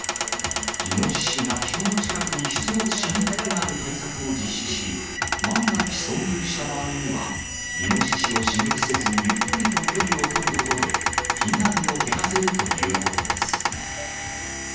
イノシシが人の近くに出没しにくくなる対策を実施し、万が一遭遇した場合には、イノシシを刺激せず、ゆっくりと距離を取ることで、被害を減らせるということです。